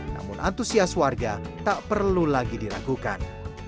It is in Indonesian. namun antusias warga tak perlu lagi diragukan